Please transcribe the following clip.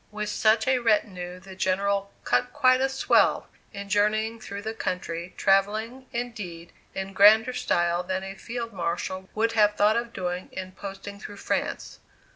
With such a retinue the General "cut quite a swell" in journeying through the country, travelling, indeed, in grander style than a Field Marshal would have thought of doing in posting through France.